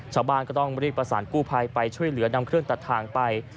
ชาวบ้านก็ต้องรีบประสานกู้ภัยไปช่วยเหลือนำเครื่องตัดทางไป